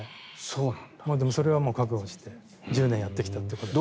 でも、それは覚悟して１０年やってきたということです。